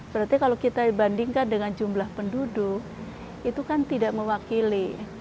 berarti kalau kita bandingkan dengan jumlah penduduk itu kan tidak mewakili